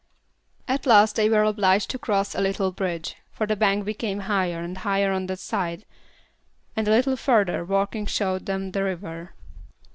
At last they were obliged to cross a little bridge, for the bank became higher and higher on that side, and a little further walking showed them the river.